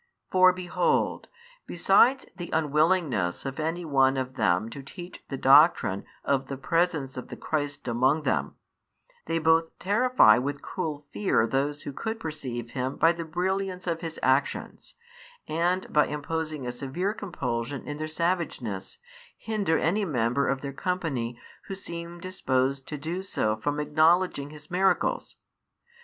For behold! besides the unwillingness of any one of them to teach the doctrine of the presence of the Christ among them, they both terrify with cruel fear those who could perceive Him by the brilliance of His actions, and, by imposing a severe compulsion in their savageness, hinder any member of their company who seemed disposed to do so from acknowledging His miracles.